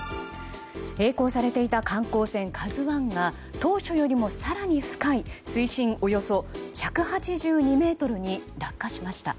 えい航されていた観光船「ＫＡＺＵ１」が当初よりも更に深い水深およそ１８２ｍに落下しました。